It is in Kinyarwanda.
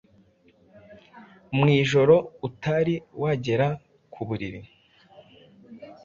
mu ijoro utari wagera ku buriri.